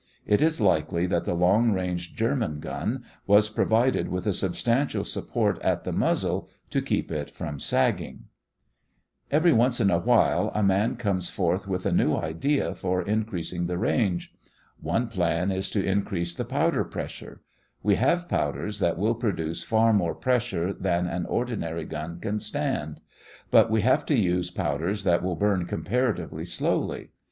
It is likely that the long range German gun was provided with a substantial support at the muzzle to keep it from sagging. [Illustration: (C) Underwood & Underwood American 16 Inch Rifle on a Railway Mount] Every once in a while a man comes forth with a "new idea" for increasing the range. One plan is to increase the powder pressure. We have powders that will produce far more pressure than an ordinary gun can stand. But we have to use powders that will burn comparatively slowly.